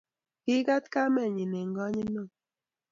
Kiikat kamenyi eng konyit ne o